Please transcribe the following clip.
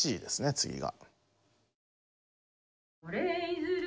次が。